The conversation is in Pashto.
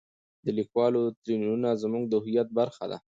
د لیکوالو تلینونه زموږ د هویت برخه ده.